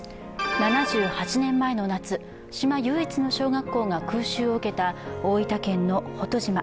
７８年前の夏、島唯一の小学校が空襲を受けた大分県の保戸島。